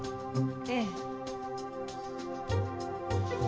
ええ。